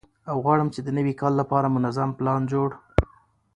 او غواړم چې د نوي کال لپاره منظم پلان جوړ